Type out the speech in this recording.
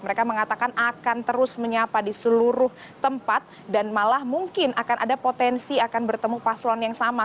mereka mengatakan akan terus menyapa di seluruh tempat dan malah mungkin akan ada potensi akan bertemu paslon yang sama